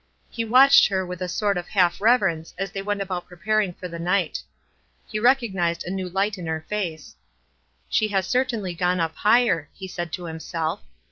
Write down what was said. He watched her with a sort of half reverence as they went about preparing for the nisjht. He recognized a new li«rht in O o o her face. " She has certainly gone up higher," he said to himself.